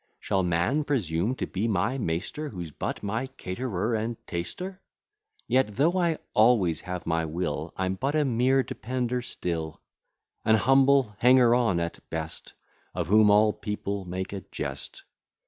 Shall man presume to be my master, Who's but my caterer and taster? Yet, though I always have my will, I'm but a mere depender still: An humble hanger on at best; Of whom all people make a jest.